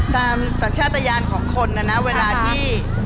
สัญชาติยานของคนนะนะเวลาที่